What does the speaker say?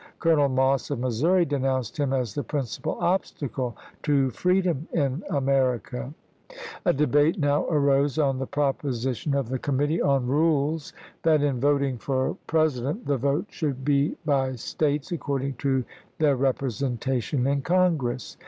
Colonel Moss of Missouri denounced him as the principal obstacle to freedom in America. A debate now arose on the proposition of the com mittee on rules that in voting for President the 36 ABRAHAM LINCOLN chap. ii. vote should be by States according to their repre 1864. sentation in Congress.